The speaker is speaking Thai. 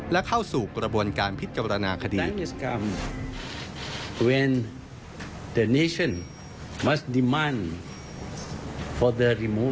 และเข้าสู่กระบวนการพิจารณาคดี